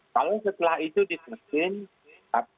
kalau setelah itu disimulasi